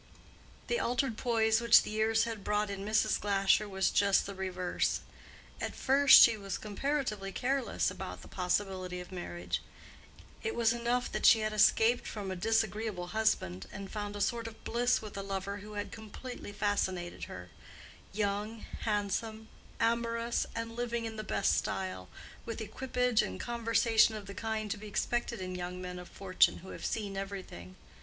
The altered poise which the years had brought in Mrs. Glasher was just the reverse. At first she was comparatively careless about the possibility of marriage. It was enough that she had escaped from a disagreeable husband and found a sort of bliss with a lover who had completely fascinated her—young, handsome, amorous, and living in the best style, with equipage and conversation of the kind to be expected in young men of fortune who have seen everything.